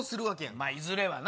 まぁいずれはな。